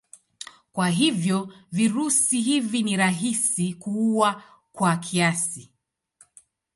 Kwa hivyo virusi hivi ni rahisi kuua kwa kiasi.